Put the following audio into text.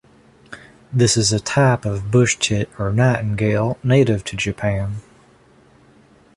This is a type of bushtit or nightingale native to Japan.